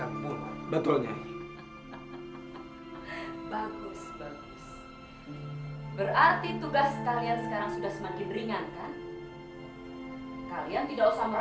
apa sih yang dilakukan nyai